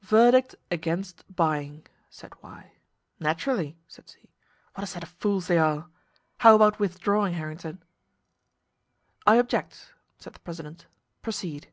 "Verdict against buying," said Y. "Naturally," said Z. "What a set of fools they are! How about withdrawing Harrington?" "I object," said the president. "Proceed."